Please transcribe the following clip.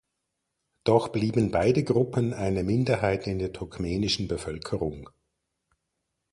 Doch blieben beide Gruppen eine Minderheit in der turkmenischen Bevölkerung.